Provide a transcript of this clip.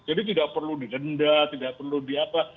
jadi tidak perlu digenda tidak perlu diapa